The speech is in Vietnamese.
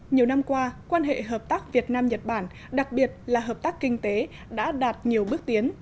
nhiều năm qua quan hệ hợp tác việt nam nhật bản đặc biệt là hợp tác kinh tế đã đạt nhiều bước tiến